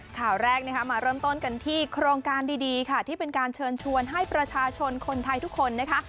ข่าวแรกนะคะมาเริ่มต้นกันที่โครงการดีค่ะที่เป็นการเชิญชวนให้ประชาชนคนไทยทุกคนนะคะ